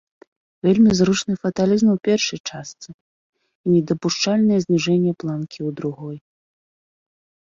Вельмі зручны фаталізм у першай частцы і недапушчальнае зніжэнне планкі ў другой.